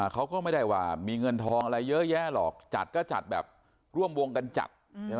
เขาก็ไม่ได้ว่ามีเงินทองอะไรเยอะแยะหรอกจัดก็จัดแบบร่วมวงกันจัด